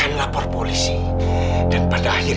kami memu billah templates yang begitu baik